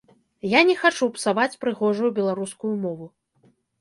Я не хачу псаваць прыгожую беларускую мову.